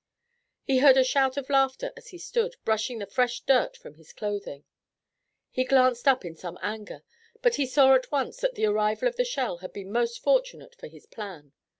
He heard a shout of laughter as he stood, brushing the fresh dirt from his clothing. He glanced up in some anger, but he saw at once that the arrival of the shell had been most fortunate for his plan.